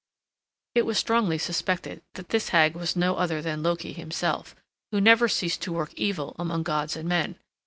It was strongly suspected that this hag was no other than Loki himself, who never ceased to work evil among gods and men.